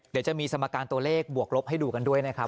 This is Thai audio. เดี๋ยวจะมีสมการตัวเลขบวกลบให้ดูกันด้วยนะครับ